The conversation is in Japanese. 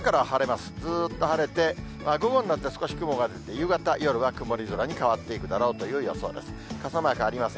ずっと晴れて、午後になって少し雲が出て、夕方、夜は曇り空に変わっていくだろうという予想です。